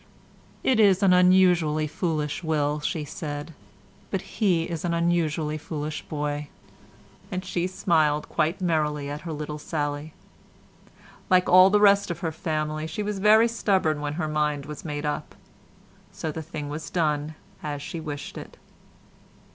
"It is an unusually foolish will," she said, "but he is an unusually foolish boy;" and she smiled quite merrily at her little sally. Like all the rest of her family, she was very stubborn when her mind was made up. So the thing was done as she wished it.